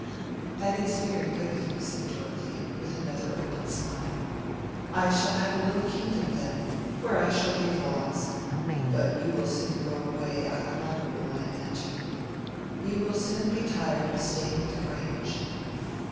"That is very good of you," said Dorothea, with another open smile. "I shall have a little kingdom then, where I shall give laws. But you will soon go away, out of my rule, I imagine. You will soon be tired of staying at the Grange."